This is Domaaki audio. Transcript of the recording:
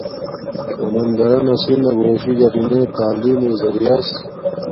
سمندرانا سنہ گھوشی گاڈی نے تعلیم میݵ زریعس